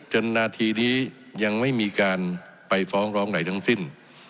จนนาทีนี้ยังไม่มีการไปฟ้องร้องใดทั้งสิ้น